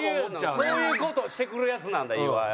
そういう事をしてくるヤツなんだ岩井は。